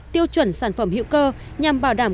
tiêu chuẩn sản phẩm hữu cơ nhằm bảo đảm